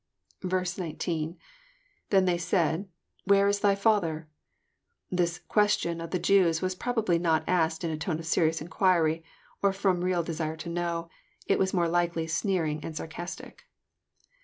f> 19. — ITTien said they,.. Where is thy Fatherf'i This question of the Jews was probably not asked in a tone of serious inquiry, or ft om real desire to know. It was more likely sneering and sarcastic.